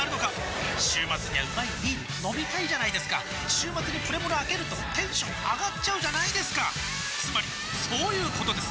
週末にはうまいビール飲みたいじゃないですか週末にプレモルあけるとテンション上がっちゃうじゃないですかつまりそういうことです！